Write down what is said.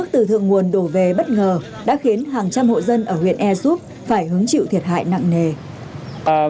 dựa nguồn đổ về bất ngờ đã khiến hàng trăm hộ dân ở huyện airsoft phải hứng chịu thiệt hại nặng nề